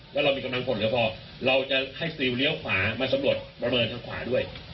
แล้วเรามีกำลังผลเหลือพอเราจะให้ซิลเลี้ยวขวามาสำรวจประเมินทางขวาด้วย